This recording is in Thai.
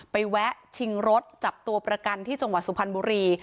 แวะชิงรถจับตัวประกันที่จังหวัดสุพรรณบุรี